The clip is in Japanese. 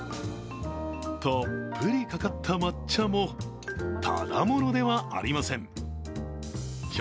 たっぷりかかった抹茶も、ただものではありません。